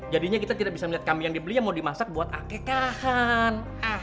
jadinya kita tidak bisa melihat kambing yang dibeli yang mau dimasak buat akekahan